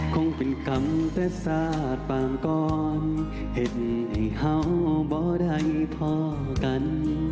คงเป็นกรรมแต่ศาสตร์ปางกรเห็นไอ้เห่าบ่ได้พอกัน